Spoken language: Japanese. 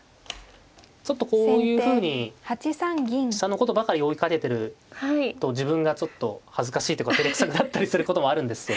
ちょっとこういうふうに飛車のことばかり追いかけてると自分がちょっと恥ずかしいっていうかてれくさくなったりすることもあるんですけど。